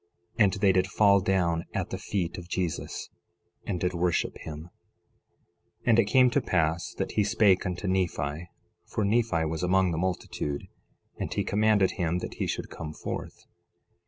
And they did fall down at the feet of Jesus, and did worship him. 11:18 And it came to pass that he spake unto Nephi (for Nephi was among the multitude) and he commanded him that he should come forth.